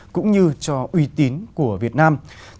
cũng như cho uy tín của việt nam